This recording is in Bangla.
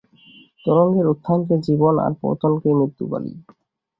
তরঙ্গের উত্থানকে জীবন, আর পতনকে মৃত্যু বলি।